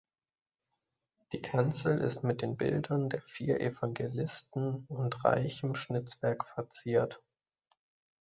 Die Kanzel ist mit den Bildern der vier Evangelisten und reichem Schnitzwerk verziert.